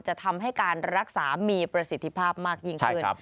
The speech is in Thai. จะทำให้การรักษามีประสิทธิภาพมากยิ่งขึ้น